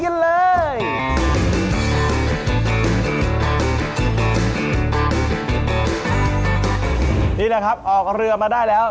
นี่แหละครับออกเรือมาได้แล้ว